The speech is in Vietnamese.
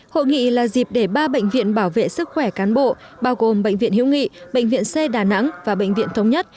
hội nghị là dịp để ba bệnh viện bảo vệ sức khỏe cán bộ bao gồm bệnh viện hiếu nghị bệnh viện c đà nẵng và bệnh viện thống nhất